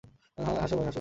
হ্যাঁ, হাসো ভাই হাসো।